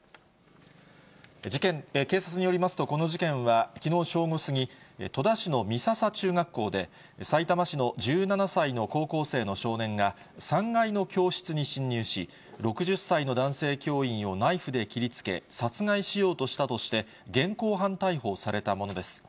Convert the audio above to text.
警察によりますと、この事件はきのう正午過ぎ、戸田市の美笹中学校で、さいたま市の１７歳の高校生の少年が、３階の教室に侵入し、６０歳の男性教員をナイフで切りつけ、殺害しようとしたとして、現行犯逮捕されたものです。